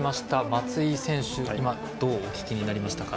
松井選手どうお聞きになりましたか？